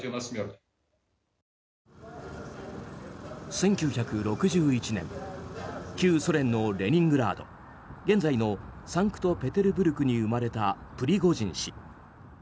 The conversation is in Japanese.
１９６１年旧ソ連のレニングラード現在のサンクトペテルブルクに生まれたプリゴジン氏。